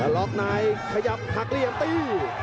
แล้วล็อคไนท์ขยับหักเหลี่ยมตี